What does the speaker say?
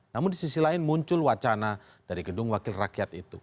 namun di sisi lain muncul wacana dari gedung wakil rakyat itu